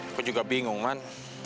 aku juga bingung man